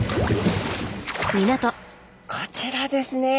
こちらですね